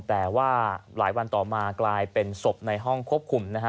แต่ว่าหลายวันต่อมากลายเป็นศพในห้องควบคุมนะฮะ